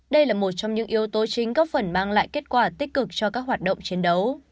đây là một trong những yếu tố chính góp phần mang lại kết quả tích cực cho các hoạt động chiến đấu